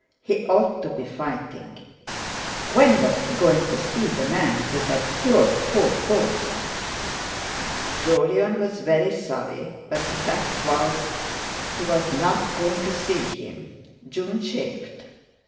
He ought to be fighting. When was he going to see the man who had cured Paul Post? Jolyon was very sorry, but the fact was he was not going to see him. June chafed.